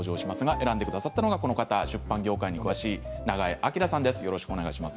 選んでくださったのは出版業界に詳しい永江朗さんです。